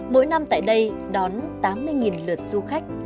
mỗi năm tại đây đón tám mươi lượt du khách